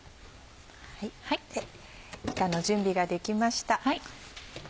いかの準備ができました。